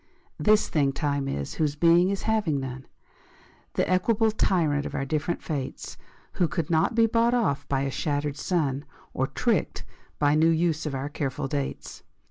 This thing Time is, whose being is having none, The equable tyrant of our different fates, Who could not be bought off by a shattered sun Or tricked by new use of our careful dates.